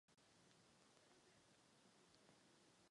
Potřebují, abychom je podpořili v možnosti vyjádřit jakékoli obavy.